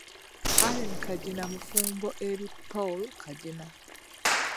Allen Kagina mufumbo eri Paul Kagina